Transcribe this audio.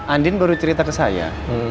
andin baru cerita ke saya